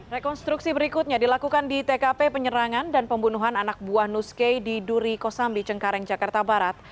rekonstruksi berikutnya dilakukan di tkp penyerangan dan pembunuhan anak buah nus kay di duri kosambi cengkareng jakarta barat